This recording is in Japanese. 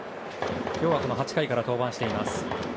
今日は８回から登板しています。